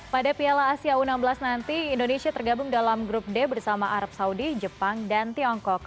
pada piala asia u enam belas nanti indonesia tergabung dalam grup d bersama arab saudi jepang dan tiongkok